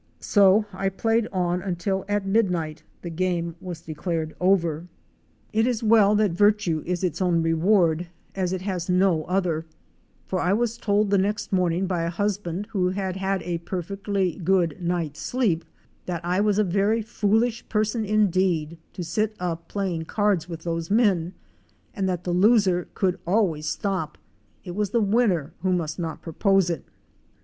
So I played on until at mid night the game was declared over. 100 OUR SEARCH FOR A WILDERNESS. It is well that virtue is its own reward, as it has no other, for I was told the next morning by a husband who had had a perfectly good night's sleep — that I was a very foolish person indeed to sit up playing cards with those men, and that the loser could always stop: it was the winner who must not propose it. Fic. 52. A PALM sHEATH ROCKING Toy.